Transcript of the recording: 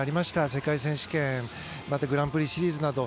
世界選手権またグランプリシリーズなど。